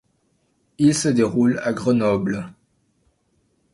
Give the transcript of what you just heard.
Il se déroule à Grenoble.